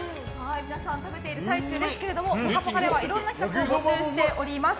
皆さん、食べている最中ですが「ぽかぽか」ではいろんな企画を募集しております。